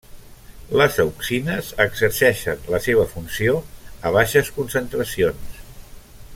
Les auxines exerceixen la seva funció a baixes concentracions.